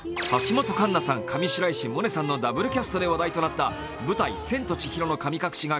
橋本環奈さん、上白石萌音さんのダブルキャストで話題となった舞台、「千と千尋の神隠し」